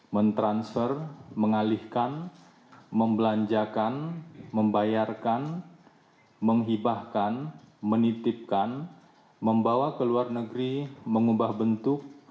mentransfer mengalihkan membelanjakan membayarkan menghibahkan menitipkan membawa ke luar negeri mengubah bentuk